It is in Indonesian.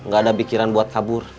gak ada pikiran buat kabur